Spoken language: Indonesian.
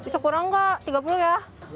sekurang gak tiga puluh ya